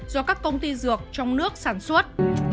do các công ty dược trong nước sản xuất